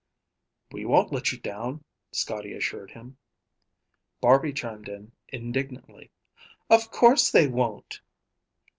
"We won't let you down," Scotty assured him. Barby chimed in indignantly, "Of course they won't."